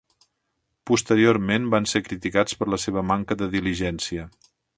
Posteriorment van ser criticats per la seva manca de diligència.